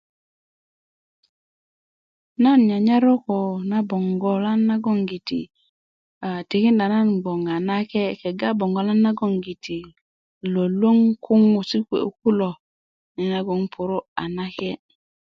nan nyanyar roko na 'bogolan nagoŋgiti aa tikinda nan gboŋ a na kye' kega parik 'bogolan naŋogiti lwälwäŋ kuŋusi' kuwe' kulo nyenagoŋ nan puru' a na kye'